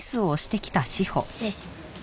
失礼しますね。